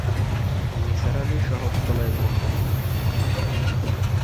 নিসার আলি সহজ গলায় বললেন, না।